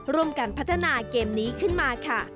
ร่วมกันพัฒนาเกมนี้ขึ้นมาค่ะ